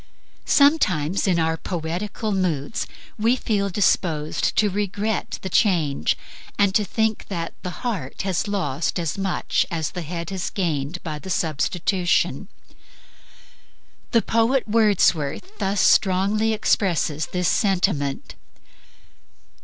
Sometimes in our poetical moods we feel disposed to regret the change, and to think that the heart has lost as much as the head has gained by the substitution. The poet Wordsworth thus strongly expresses this sentiment